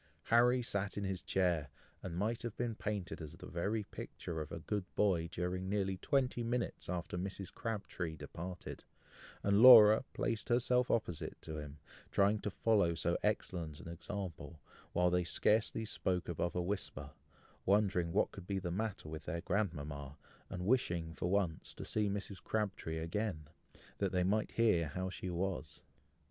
Harry sat in his chair, and might have been painted as the very picture of a good boy during nearly twenty minutes after Mrs. Crabtree departed; and Laura placed herself opposite to him, trying to follow so excellent an example, while they scarcely spoke above a whisper, wondering what could be the matter with their grandmama, and wishing for once, to see Mrs. Crabtree again, that they might hear how she was.